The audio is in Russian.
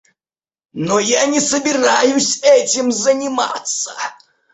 Но я не собираюсь этим заниматься.